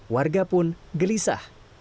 warga pun gelisah